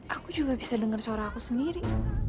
aku juga bisa dengar suara aku sendiri